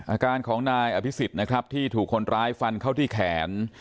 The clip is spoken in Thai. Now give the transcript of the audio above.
อาการของนายอภิษฎนะครับที่ถูกคนร้ายฟันเข้าที่แขน